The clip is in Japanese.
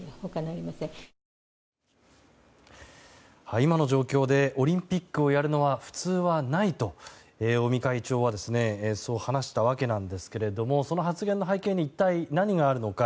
今の状況でオリンピックをやるのは普通はないと尾身会長はそう話したわけなんですがその発言の背景に一体、何があるのか。